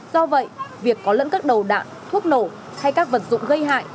do vậy việc có lẫn các đầu đạn thuốc nổ hay các vật dụng gây hại